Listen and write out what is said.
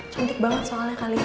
cantik banget soalnya kali ini